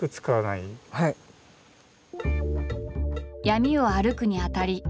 闇を歩くにあたり